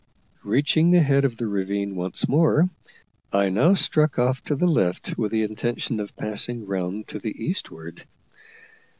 Reaching the head of the ravine once more, I now struck off to the left with the intention of passing round to the eastward.